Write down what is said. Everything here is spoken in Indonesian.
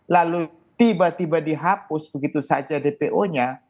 lalu tiba tiba dihapus begitu saja dpo nya